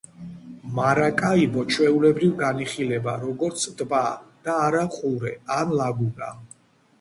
მარაკაიბო ჩვეულებრივ განიხილება როგორც ტბა, და არა ყურე ან ლაგუნა.